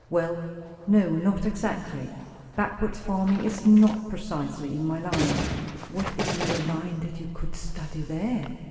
"Well, no, not exactly. Backwoods farming is not precisely in my line." "What is in your line that you could study there?"